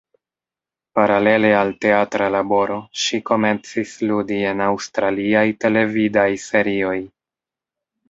Paralele al teatra laboro, ŝi komencis ludi en aŭstraliaj televidaj serioj.